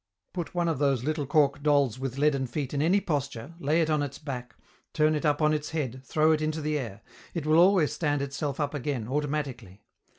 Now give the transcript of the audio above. Put one of those little cork dolls with leaden feet in any posture, lay it on its back, turn it up on its head, throw it into the air: it will always stand itself up again, automatically.